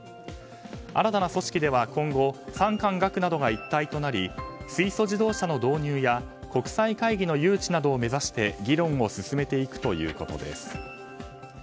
新たな組織では今後、産官学などが一体となり水素自動車の導入や国際会議の誘致などを目指して議論を進めていくということです。